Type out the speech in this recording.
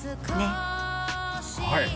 はい！